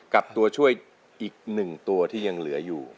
ตัวช่วยอีก๑ตัวที่ยังเหลืออยู่